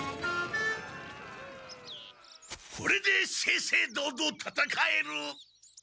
これで正々堂々たたかえる！